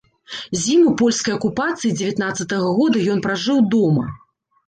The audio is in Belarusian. Зіму польскай акупацыі дзевятнаццатага года ён пражыў дома.